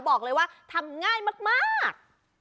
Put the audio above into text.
บอกเลยว่าทำง่ายมาก